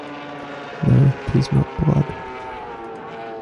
No, 'tis not blood.